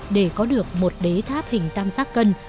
để có được một đế tháp hình tam giác cân